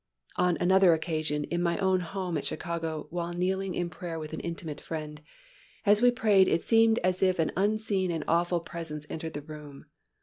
On another occasion in my own home at Chicago, when kneeling in prayer with an intimate friend, as we prayed it seemed as if an unseen and awful Presence entered the room.